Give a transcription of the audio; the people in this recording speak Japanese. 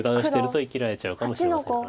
生きられちゃうかもしれませんから。